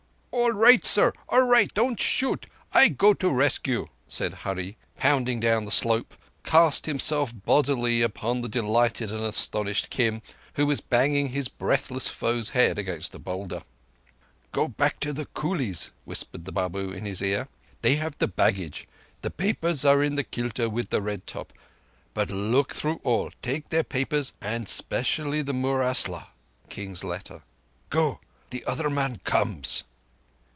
"All right, sar! All right! Don't shoot. I go to rescue," and Hurree, pounding down the slope, cast himself bodily upon the delighted and astonished Kim, who was banging his breathless foe's head against a boulder. "Go back to the coolies," whispered the Babu in his ear. "They have the baggage. The papers are in the kilta with the red top, but look through all. Take their papers, and specially the murasla (King's letter). Go! The other man comes!"